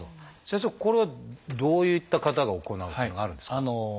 先生これはどういった方が行うっていうのはあるんですか？